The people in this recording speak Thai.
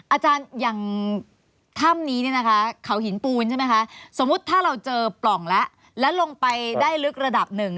อาจารย์อย่างถ้ำนี้เนี่ยนะคะเขาหินปูนใช่ไหมคะสมมุติถ้าเราเจอปล่องแล้วแล้วลงไปได้ลึกระดับหนึ่ง